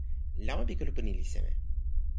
lawa pi kulupu ni li seme?